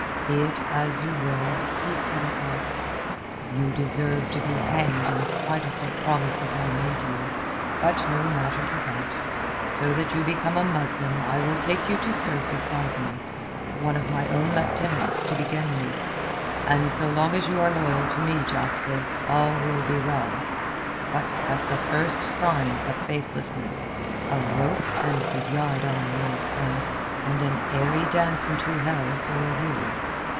"Be it as you will," he said at last. "You deserve to be hanged in spite of what promises I made you. But no matter for that. So that you become a Muslim I will take you to serve beside me, one of my own lieutenants to begin with, and so long as you are loyal to me, Jasper, all will be well. But at the first sign of faithlessness, a rope and the yard arm, my friend, and an airy dance into hell for you."